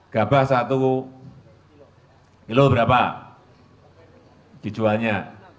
gabah satu kilo berapa dijualnya